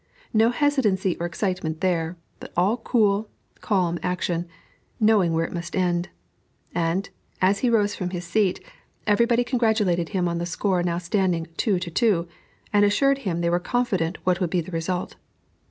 No hesitancy or excitement there, but all cool, calm action, knowing where it must end; and, as he rose from his seat, everybody congratulated him on the score now standing two to two, and assured him they were confident what would be the result.